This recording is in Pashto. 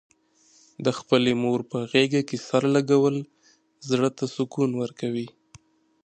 د خپلې مور په غېږه کې سر لږول، زړه ته سکون ورکوي.